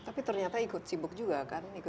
tapi ternyata ikut sibuk juga kan